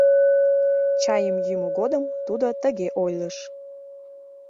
Чайым йӱмӧ годым тудо тыге ойлыш: